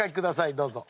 どうぞ。